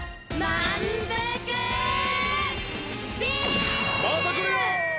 またくるよ！